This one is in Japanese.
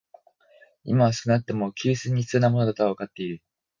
今は少なくとも、給水に必要なものだとはわかっている